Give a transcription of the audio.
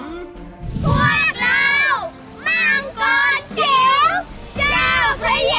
พวกเรามังกรจิ๊วเจ้าพระยา